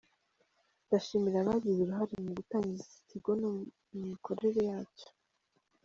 Ndashimira abagize uruhare mu gutangiza iki kigo no mu mikorere yacyo.